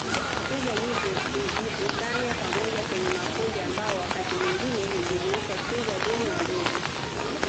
Twiga jike hujikusanya pamoja kwenye makundi ambao wakati mwingine hujumuisha twiga dume wadogo